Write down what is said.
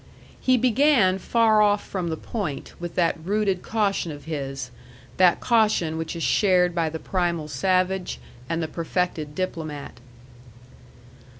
He began far off from the point with that rooted caution of his that caution which is shared by the primal savage and the perfected diplomat.